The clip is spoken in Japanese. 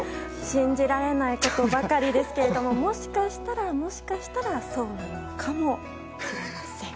信じられないことばかりですがもしかしたら、もしかしたらそうなのかもしれません。